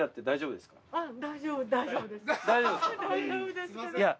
大丈夫ですけど。